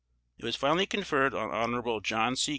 It was finally conferred on Hon. John C.